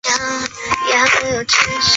古坟时代末期到飞鸟时代皇族。